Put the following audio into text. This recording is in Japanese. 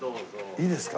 いいですか？